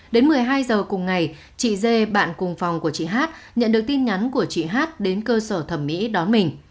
đến một mươi hai giờ cùng ngày chị dê bạn cùng phòng của chị hát nhận được tin nhắn của chị hát đến cơ sở thẩm mỹ đón mình